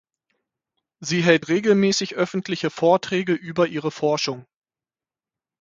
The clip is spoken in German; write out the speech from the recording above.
Sie hält regelmäßig öffentliche Vorträge über ihre Forschung.